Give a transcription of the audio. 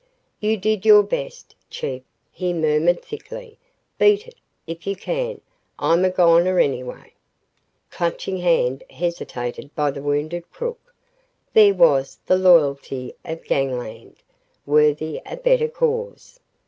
"You did your best, Chief," he murmured thickly. "Beat it, if you can. I'm a goner, anyway." Clutching Hand hesitated by the wounded crook. This was the loyalty of gangland, worthy a better cause.